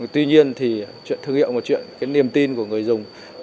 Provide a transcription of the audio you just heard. tuy nhiên thương hiệu là một chuyện niềm tin của người dùng